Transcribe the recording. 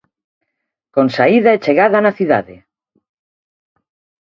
Con saída e chegada na cidade.